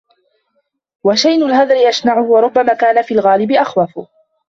وَشَيْنُ الْهَذَرِ أَشْنَعُ ، وَرُبَّمَا كَانَ فِي الْغَالِبِ أَخْوَفَ